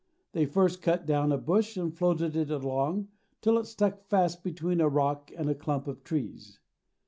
They first cut down a bush and floated it along till it stuck fast between a rock and a clump of trees.